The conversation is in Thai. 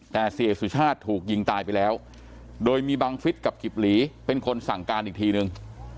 แต่เสียสุชาติถูกยิงตายไปแล้วโดยมีบังฟิศกับกิบหลีเป็นคนสั่งการอีกทีนึง